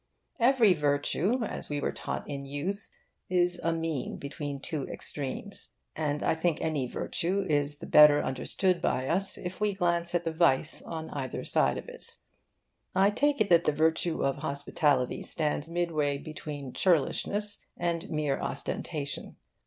Every virtue, as we were taught in youth, is a mean between two extremes; and I think any virtue is the better understood by us if we glance at the vice on either side of it. I take it that the virtue of hospitality stands midway between churlishness and mere ostentation.